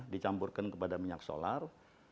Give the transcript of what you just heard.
dicampurkan kepada minyak solar